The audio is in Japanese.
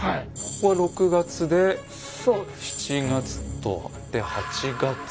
ここが６月で７月とで８月。